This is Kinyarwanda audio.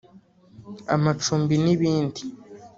amacumbi n’ibindi